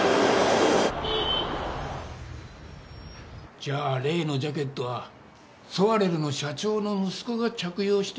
じゃあ例のジャケットはソワレルの社長の息子が着用していたかもしれんのだな。